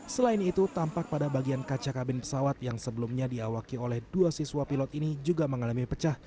selain itu tampak pada bagian kaca kabin pesawat yang sebelumnya diawaki oleh dua siswa pilot ini juga mengalami pecah